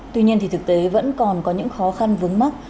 tuy nhiên thì thực tế vẫn còn có những khó khăn vướng mắt